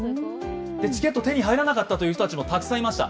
チケットが手に入らなかった人たちもたくさんいました。